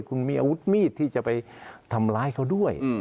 คุณมีอาวุธมีดที่จะไปทำร้ายเขาด้วย